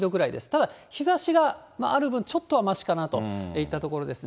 ただ、日ざしがある分、ちょっとはましかなといったところです。